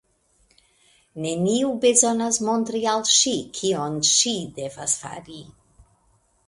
Neniu bezonas montri al ŝi, kion ŝi devas fari.